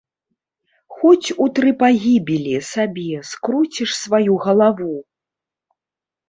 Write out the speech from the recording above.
Хоць у тры пагібелі, сабе, скруціш сваю галаву!